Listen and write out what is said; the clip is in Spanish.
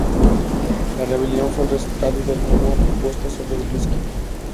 La rebelión fue el resultado del nuevo impuesto sobre el whisky.